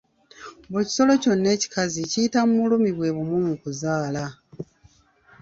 Buli kisolo kyonna ekikazi kiyita mu bulumi bwebumu mu kuzaala.